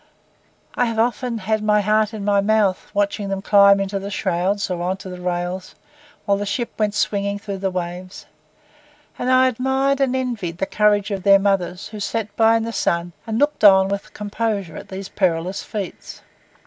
I often had my heart in my mouth, watching them climb into the shrouds or on the rails, while the ship went swinging through the waves; and I admired and envied the courage of their mothers, who sat by in the sun and looked on with composure at these perilous feats.